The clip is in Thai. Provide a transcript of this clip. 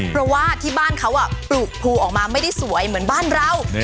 เพราะว่าที่บ้านเขาปลูกภูออกมาไม่ได้สวยเหมือนบ้านเรา